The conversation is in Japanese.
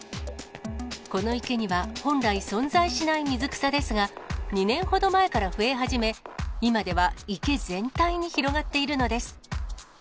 この池には本来存在しない水草ですが、２年ほど前から増え始め、今では池全体に広がっているのです。